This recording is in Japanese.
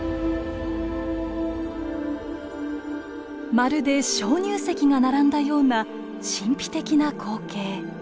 まるで鍾乳石が並んだような神秘的な光景。